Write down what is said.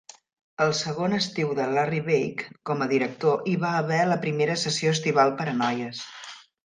El segon estiu de Larry Bakke com a director hi va haver la primera sessió estival per a noies.